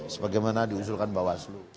sebagaimana diusulkan bawaslu